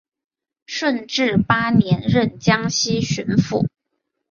顺治八年任江西巡抚。